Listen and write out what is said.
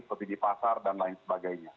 seperti di pasar dan lain sebagainya